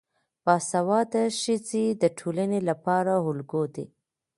باسواده ښځې د ټولنې لپاره الګو دي.